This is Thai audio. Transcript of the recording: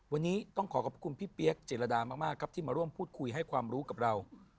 วันนี้ต้องขอขอบคุณพี่เปี๊ยกเจรดามากครับที่มาร่วมพูดคุยให้ความรู้กับเรา